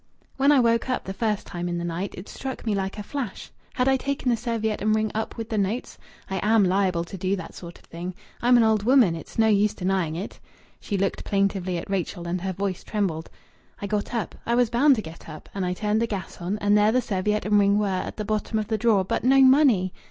"When I woke up the first time in the night, it struck me like a flash: Had I taken the serviette and ring up with the notes? I am liable to do that sort of thing. I'm an old woman it's no use denying it." She looked plaintively at Rachel, and her voice trembled. "I got up. I was bound to get up, and I turned the gas on, and there the serviette and ring were at the bottom of the drawer, but no money!